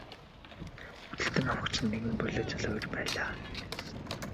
Худалдан авагч нь нэгэн булиа залуу эр байлаа.